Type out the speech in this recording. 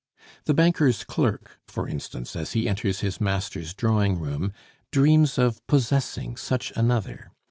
The banker's clerk, for instance, as he enters his master's drawing room, dreams of possessing such another.